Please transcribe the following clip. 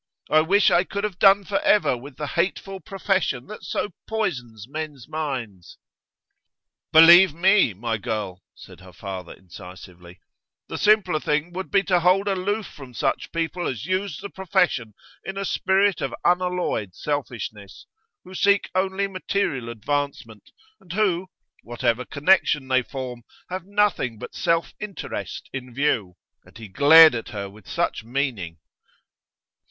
I wish I could have done for ever with the hateful profession that so poisons men's minds.' 'Believe me, my girl,' said her father, incisively, 'the simpler thing would be to hold aloof from such people as use the profession in a spirit of unalloyed selfishness, who seek only material advancement, and who, whatever connection they form, have nothing but self interest in view.' And he glared at her with much meaning.